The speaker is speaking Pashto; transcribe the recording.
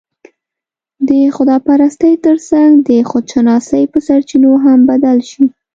د خدا پرستۍ تر څنګ، د خودشناسۍ په سرچينو هم بدل شي